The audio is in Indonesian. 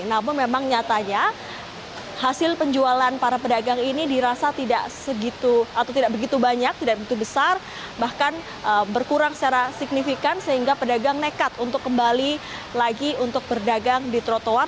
namun memang nyatanya hasil penjualan para pedagang ini dirasa tidak segitu atau tidak begitu banyak tidak begitu besar bahkan berkurang secara signifikan sehingga pedagang nekat untuk kembali lagi untuk berdagang di trotoar